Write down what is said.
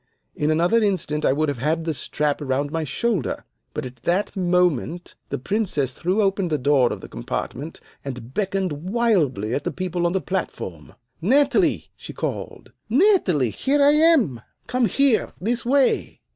In another instant I would have had the strap around my shoulder. But at that moment the Princess threw open the door of the compartment and beckoned wildly at the people on the platform. 'Natalie!' she called, 'Natalie! here I am. Come here! This way!